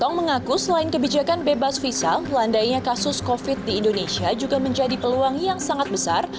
tong mengaku selain kebijakan bebas visa landainya kasus covid di indonesia juga menjadi peluang yang sangat besar